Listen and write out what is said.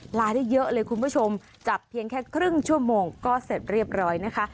ลาได้เยอะเลยคุณผู้ชมจับเพียงแค่ครึ่งชั่วโมงก็เสร็จเรียบร้อยนะคะ